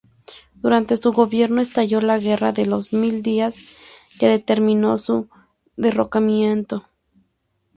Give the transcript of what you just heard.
Durante su gobierno estalló la guerra de los Mil Días, que determinó su derrocamiento.